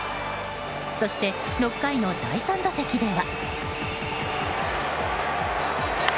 そして、６回の第３打席では。